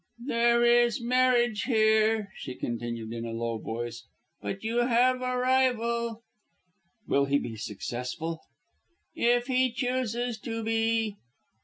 "There is marriage here", she continued in a low voice; "but you have a rival." "Will he be successful?" "If he chooses to be."